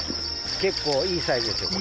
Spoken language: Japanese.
結構、いいサイズです、これ。